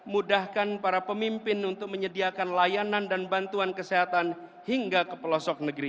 mudahkan para pemimpin untuk menyediakan layanan dan bantuan kesehatan hingga ke pelosok negeri